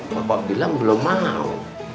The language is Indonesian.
bapak bilang belum mau